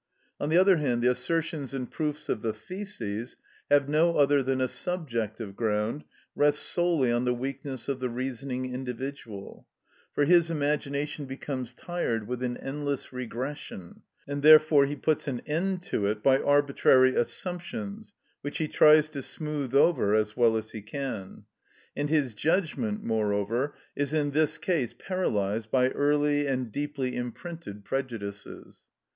On the other hand, the assertions and proofs of the theses have no other than a subjective ground, rest solely on the weakness of the reasoning individual; for his imagination becomes tired with an endless regression, and therefore he puts an end to it by arbitrary assumptions, which he tries to smooth over as well as he can; and his judgment, moreover, is in this case paralysed by early and deeply imprinted prejudices.